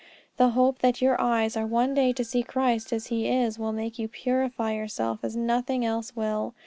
The hope that your eyes are one day to see Christ as He is will make you purify yourself as nothing else will.